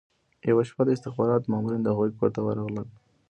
یوه شپه د استخباراتو مامورین د هغوی کور ته ورغلل